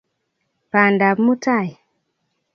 pandap mutai